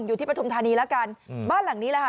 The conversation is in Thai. อยู่ที่ประธุมธานีแล้วกันอืมบ้านหลังนี้แหละค่ะ